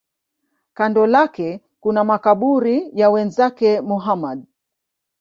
Kando lake kuna makaburi ya wenzake Muhammad.